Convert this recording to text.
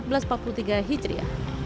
kepolisian negara republik indonesia